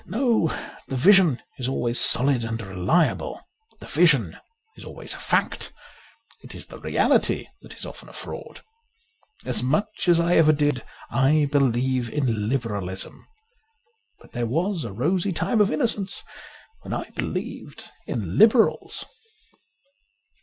No ; the vision is always solid and reliable. The vision is always a fact. It is the reality that is often a fraud. As much as I ever did, I believe in Liberalism. But there was a rosy time of innocence when I believed in Liberals.